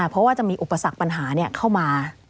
เพราะว่าจะมีอุปสรรคปัญหาเข้ามา